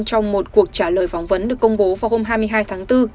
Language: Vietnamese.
trong một cuộc trả lời phỏng vấn được công bố vào hôm hai mươi hai tháng bốn